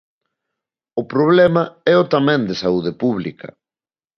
O problema éo tamén de saúde pública.